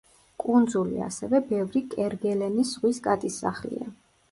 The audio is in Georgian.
კუნძული ასევე ბევრი კერგელენის ზღვის კატის სახლია.